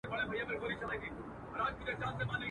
بس یو زه یم یو دېوان دی د ویرژلو غزلونو.